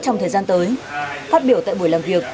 trong thời gian tới phát biểu tại buổi làm việc